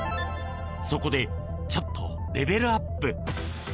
そこで、ちょっとレベルアップ。